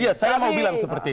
iya saya mau bilang seperti itu